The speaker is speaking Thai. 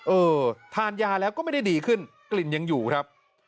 เออทานยาแล้วก็ไม่ได้ดีขึ้นกลิ่นยังอยู่ครับ